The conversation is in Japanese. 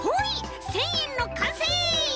１，０００えんのかんせい！